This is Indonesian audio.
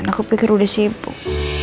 aku pikir udah sibuk